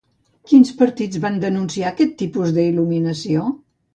Quins partits van denunciar aquest tipus d'il·luminació?